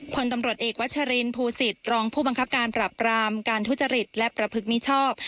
ผลตำรวจเอกวัชรินภูสิตรองผู้บังคับการปรับรามการทุจริตและประพฤติมิชอบ